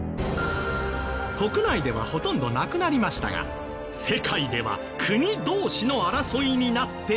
国内ではほとんどなくなりましたが世界では国同士の争いになっている事も。